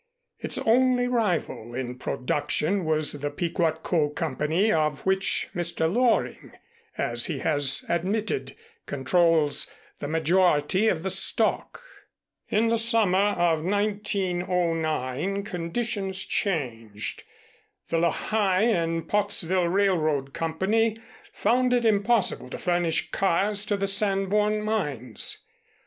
Its only rival in production was the Pequot Coal Company, of which Mr. Loring, as he has admitted, controls the majority of the stock. "In the summer of 1909, conditions changed. The Lehigh and Pottsville Railroad Company found it impossible to furnish cars to the Sanborn mines.